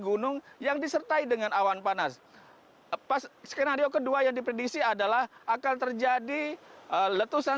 gunung yang disertai dengan awan panas pas skenario kedua yang diprediksi adalah akan terjadi letusan